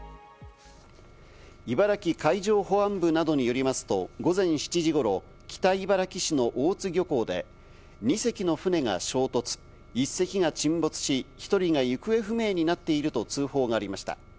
茨城海上保安部などによりますと、午前７時ごろ、北茨城市の大津漁港で、２隻の船が衝突、１隻が沈没し、１人が行方不明になっていると通報がありました。